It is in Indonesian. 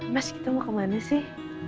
mas kita mau kemana sih